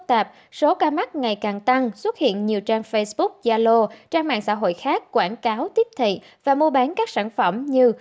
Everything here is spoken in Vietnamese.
tạp số ca mắc ngày càng tăng xuất hiện nhiều trang facebook yalo trang mạng xã hội khác quảng cáo tiếp thị và mua bán các sản phẩm như